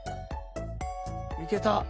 いけた。